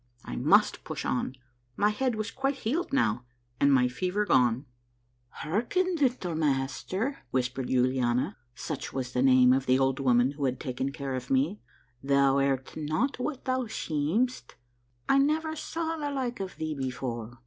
I must push on. My head was quite healed now, and my fever gone. A MARVELLOUS UNDERGROUND JOURNEY 21 "Hearken, little master," whispered Yuliana; such was the name of the old woman who had taken care of me, " thou art not what thou seemst. I never saw the like of thee before.